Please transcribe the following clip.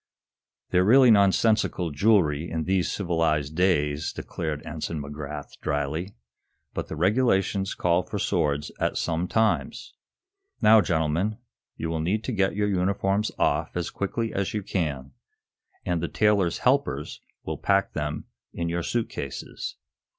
"They're really nonsensical jewelry in these civilized days," declared Ensign McGrath, dryly. "But the regulations call for swords at some times. Now, gentlemen, you will need to get your uniforms off as quickly as you can, and the tailor's helpers will pack them in your suit cases.